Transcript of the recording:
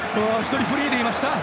１人、フリーでした。